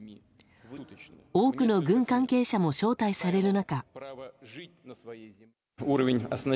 多くの軍関係者も招待される中。